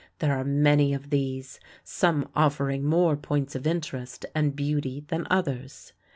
There are many of these, some offering more points of interest and beauty than others.